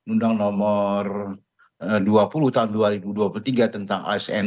undang undang nomor dua puluh tahun dua ribu dua puluh tiga tentang asn